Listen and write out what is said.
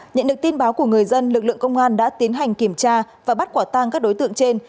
nhận được tin báo của người dân lực lượng công an đã tiến hành kiểm tra và bắt quả tang các đối tượng trên